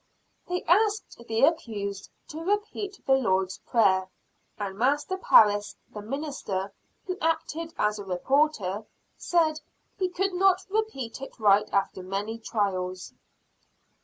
They asked the accused to repeat the Lord's prayer. And Master Parris, the minister, who acted as a reporter, said "he could not repeat it right after many trials."